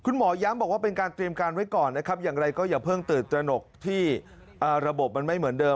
หมอย้ำบอกว่าเป็นการเตรียมการไว้ก่อนนะครับอย่างไรก็อย่าเพิ่งตื่นตระหนกที่ระบบมันไม่เหมือนเดิม